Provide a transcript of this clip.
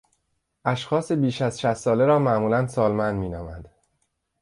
اشخاص بیش از شصت ساله را معمولا سالمند مینامند.